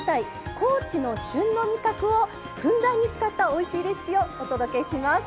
高知の旬の味覚をふんだんに使ったおいしいレシピをお届けします。